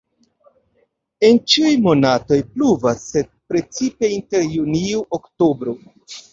En ĉiuj monatoj pluvas, sed precipe inter junio-oktobro.